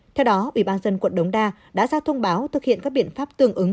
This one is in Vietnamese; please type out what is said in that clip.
theo đó ủy ban dân quận đồng đa đã ra thông báo thực hiện các biện pháp tương ứng